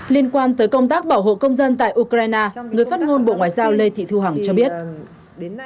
liên quan tới công tác bảo hộ công dân tại ukraine người phát ngôn bộ ngoại giao lê thị thu hằng cho biết